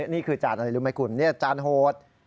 นี่คือจานอะไรรู้ไหมคุณจานโหด